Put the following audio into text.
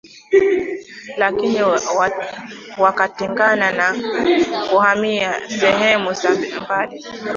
lakini wakatengana kwa kuhamia sehemu za mbali